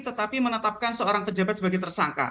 tetapi menetapkan seorang pejabat sebagai tersangka